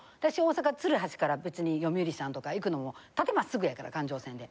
阪鶴橋から別に読売さんとか行くのも縦真っ直ぐやから環状線で。